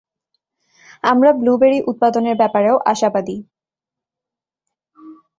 আমরা ব্লুবেরি উৎপাদনের ব্যাপারেও আশাবাদী!